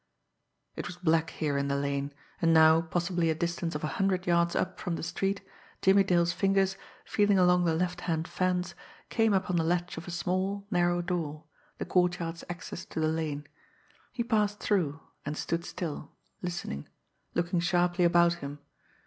It was black here in the lane, and now, possibly a distance of a hundred yards up from the street, Jimmie Dale's fingers, feeling along the left hand fence, came upon the latch of a small, narrow door the courtyard's access to the lane. He passed through, and stood still listening looking sharply about him.